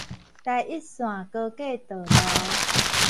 台一線高架道路